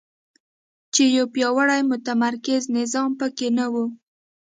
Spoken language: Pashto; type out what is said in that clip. چې یو پیاوړی متمرکز نظام په کې نه وو.